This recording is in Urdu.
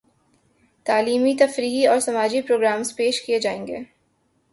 تعلیمی ، تفریحی اور سماجی پرو گرامز پیش کیے جائیں گے